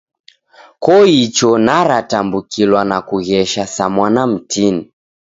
Koicho naratambukilwa na kughesha sa mwana mtini.